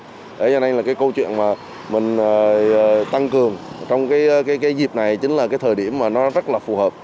thế cho nên là cái câu chuyện mà mình tăng cường trong cái dịp này chính là cái thời điểm mà nó rất là phù hợp